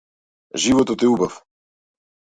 Животот е убав.